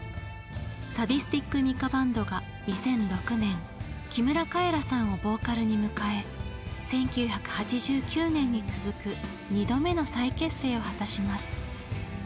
サディスティック・ミカ・バンドが２００６年木村カエラさんをボーカルに迎え１９８９年に続く２度目の再結成を果たします。